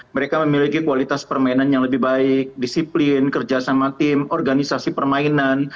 mereka memiliki kualitas permainan yang lebih baik disiplin kerjasama tim organisasi permainan